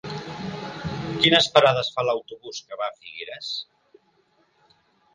Quines parades fa l'autobús que va a Figueres?